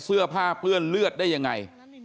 เสื้อผ้าเปื้อนเลือดได้ยังไง